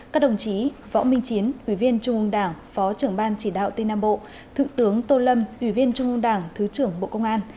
các đồng chí võ minh chiến ủy viên trung ương đảng phó trưởng ban chỉ đạo tây nam bộ thượng tướng tô lâm ủy viên trung ương đảng thứ trưởng bộ công an